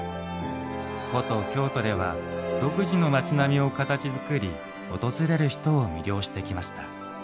古都・京都では独自の町並みを形づくり訪れる人を魅了してきました。